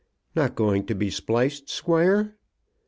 "Not going to be spliced, squire?"